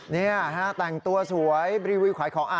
นี่ฮะแต่งตัวสวยรีวิวขายของ